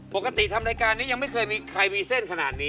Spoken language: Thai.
ปกติทำรายการนี้ยังไม่เคยมีใครมีเส้นขนาดนี้